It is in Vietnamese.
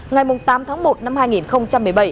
ngày tám tháng một năm hai nghìn một mươi bảy